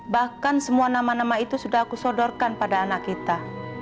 bahkan semua nama nama itu sudah aku sodorkan pada anak kita